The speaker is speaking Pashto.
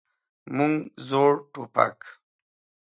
موږ زوړ ټوپک.